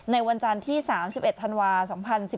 วันจันทร์ที่๓๑ธันวา๒๐๑๘